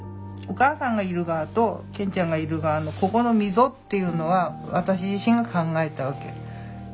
お母さんがいる側と健ちゃんがいる側のここの溝っていうのは私自身が考えたわけ。